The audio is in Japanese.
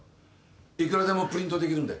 いくらでもプリントできるんで。